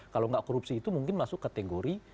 kalau nggak korupsi itu mungkin masuk kategori